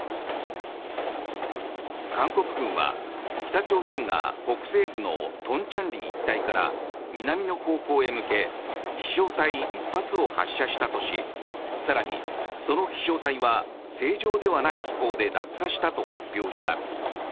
韓国軍は北朝鮮が北西部の東倉里一帯から南の方向へ向け飛翔体１発を発射したとし更に、その飛翔体は正常ではない飛行で落下したと発表した。